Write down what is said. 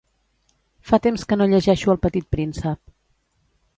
fa temps que no llegeixo el petit príncep